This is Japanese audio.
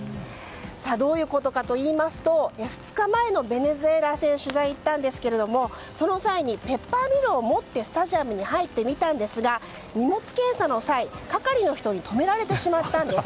どういうことかといいますと２日前のベネズエラ戦に取材に行ったんですがその際に、ペッパーミルを持ってスタジアムに入ってみたんですが荷物検査の際係りの人に止められてしまったんです。